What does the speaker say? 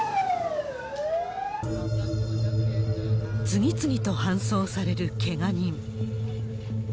次々と搬送されるけが人。